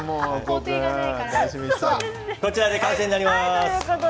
こちらで完成になります。